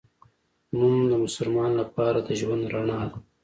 لمونځ د مسلمان لپاره د ژوند رڼا ده